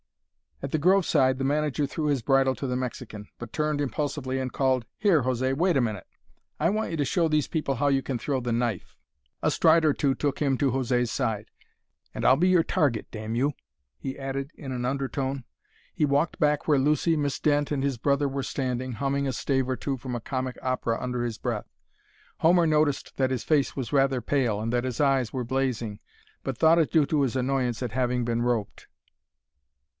At the grove side the manager threw his bridle to the Mexican, but turned impulsively and called, "Here, José, wait a minute. I want you to show these people how you can throw the knife." A stride or two took him to José's side. "And I'll be your target, damn you!" he added in an undertone. He walked back where Lucy, Miss Dent, and his brother were standing, humming a stave or two from a comic opera under his breath. Homer noticed that his face was rather pale and that his eyes were blazing, but thought it due to his annoyance at having been roped.